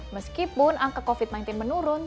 meskipun angka covid sembilan belas menurun